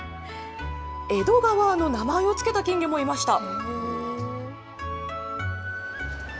江戸川の名前を付けた金魚もいました。